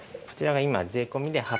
こちらが今税込で。